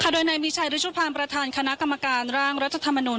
โดยในมีชายริชุภารประทานคณะกรรมการร่างรัฐธรรมนุน